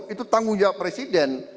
itu tanggung jawab presiden